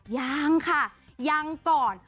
ยังค่ะยังก่อน